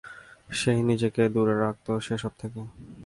সে-ই নিজেকে দূরে রাখত সেসব থেকে।